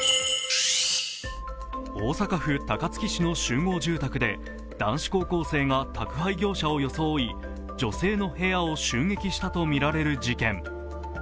大阪府高槻市の集合住宅で、男子高校生が宅配業者を装い女性の部屋を襲撃したとみられる事件。